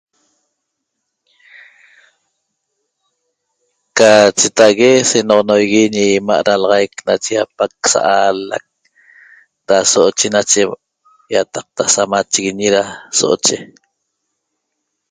Ca cheta'ague senoxonoigui ñi 'ima' dalaxaic nache ýapaac sa'alac da so'oche nache ýataqta samachiguiñi da so'oche